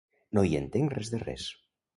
No hi entenc res de res!